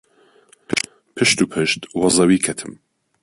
پشت و پشت وە زەوی کەتم.